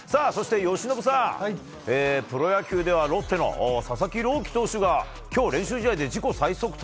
そして由伸さん、プロ野球ではロッテの佐々木朗希投手が今日練習試合で自己最速